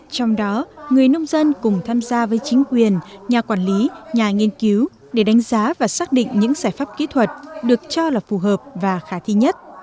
trong đó người nông dân cùng tham gia với chính quyền nhà quản lý nhà nghiên cứu để đánh giá và xác định những giải pháp kỹ thuật được cho là phù hợp và khả thi nhất